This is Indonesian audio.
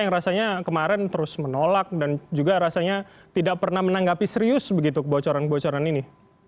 yang rasanya kemarin terus menolak dan juga rasanya tidak pernah menanggapi serius begitu kebocoran kebocoran ini